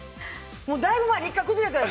だいぶ前に１回崩れたよ。